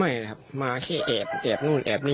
ไม่เลยครับมาแค่แอบนู่นแอบนี้แบบนี้